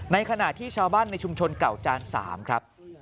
ในขณะที่ชาวบ้านในชุมชนเก่าจาน๓ครับ